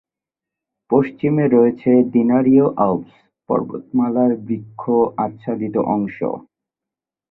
পশ্চিমে রয়েছে দিনারীয় আল্পস পর্বতমালার বৃক্ষ আচ্ছাদিত অংশ।